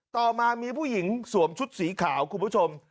ต่อมามีผู้หญิงสวมชุดสีขาวคุณผู้ชม